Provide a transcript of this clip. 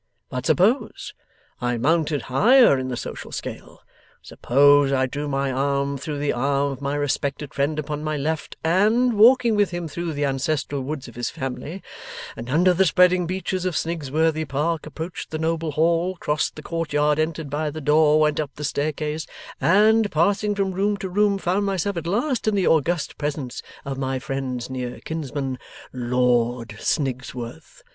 But suppose I mounted higher in the social scale. Suppose I drew my arm through the arm of my respected friend upon my left, and, walking with him through the ancestral woods of his family, and under the spreading beeches of Snigsworthy Park, approached the noble hall, crossed the courtyard, entered by the door, went up the staircase, and, passing from room to room, found myself at last in the august presence of my friend's near kinsman, Lord Snigsworth.